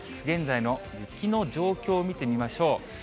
現在の雪の状況を見てみましょう。